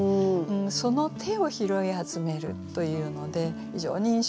その手を「拾い集める」というので非常に印象深いですよね。